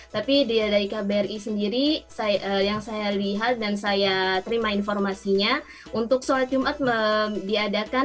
tapi dari kbri sendiri yang saya lihat dan saya terima informasinya untuk sholat jumat diadakan